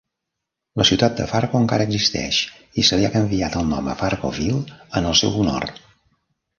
La ciutat de Fargo encara existeix i se li ha canviat el nom a Fargoville en el seu honor.